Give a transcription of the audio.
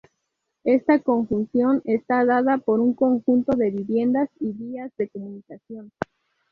Esta conjunción está dada por un conjunto de viviendas y vías de comunicación.